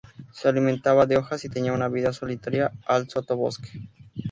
Se alimentaba de hojas y tenía una vida solitaria al sotobosque.